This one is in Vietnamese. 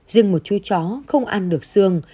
dừng một chú chó không ăn được xương